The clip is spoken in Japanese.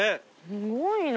すごいな。